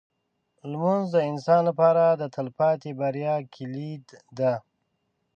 لمونځ د انسان لپاره د تلپاتې بریا کلید دی.